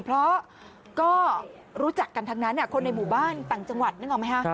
เพราะก็รู้จักกันทั้งนั้นคนในหมู่บ้านต่างจังหวัดนึกออกไหมคะ